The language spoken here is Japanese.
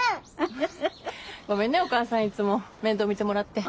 ごめんねお母さんいつも面倒見てもらって。